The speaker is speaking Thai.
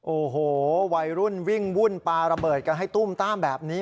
โอ้โหวัยรุ่นวิ่งวุ่นปลาระเบิดกันให้ตุ้มต้ามแบบนี้